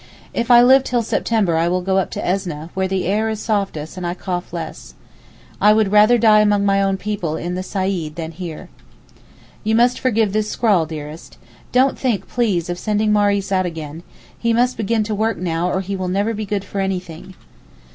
If I live till September I will go up to Esneh, where the air is softest and I cough less. I would rather die among my own people in the Saeed than here. You must forgive this scrawl, dearest. Don't think please of sending Maurice out again, he must begin to work now or he will never be good for anything.